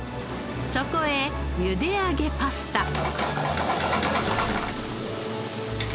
そこへ茹で上げパスタ。